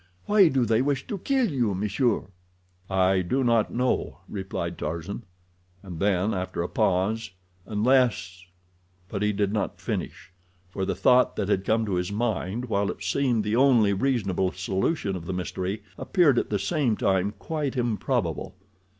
Why do they wish to kill you, m'sieur?" "I do not know," replied Tarzan, and then, after a pause: "Unless—" But he did not finish, for the thought that had come to his mind, while it seemed the only reasonable solution of the mystery, appeared at the same time quite improbable.